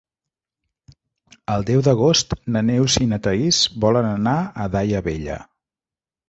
El deu d'agost na Neus i na Thaís volen anar a Daia Vella.